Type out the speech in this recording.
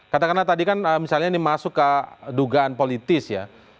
katakanlah tadi kan misalnya ini masuk ke dugaan politis ya